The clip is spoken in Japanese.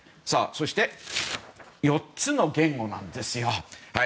そして、４つの言語なんですよ。